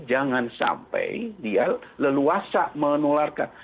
jangan sampai dia leluasa menularkan